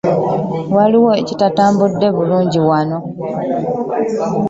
Waliwo ekitatambudde bulungi wano.